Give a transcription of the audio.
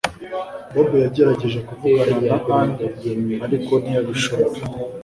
Bob yagerageje kuvugana na Anne ariko ntiyabishobora